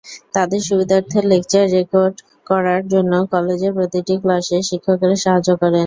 তাঁদের সুবিধার্থে lecture record করার জন্য কলেজের প্রতিটি ক্লাসে শিক্ষকেরা সাহায্য করেন।